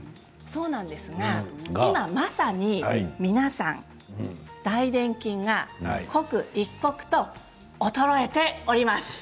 そうなんですが今まさに皆さん大でん筋が刻一刻と衰えております。